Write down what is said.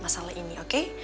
masalah ini oke